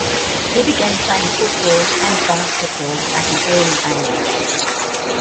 He began playing football and basketball at an early age.